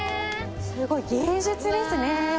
すごい芸術ですね。